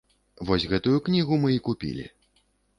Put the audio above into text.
Вось гэтую кнігу мы і купілі.